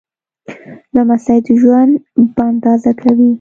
لمسی د ژوند بڼ تازه کوي.